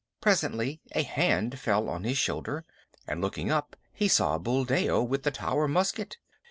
Presently a hand fell on his shoulder, and looking up he saw Buldeo with the Tower musket.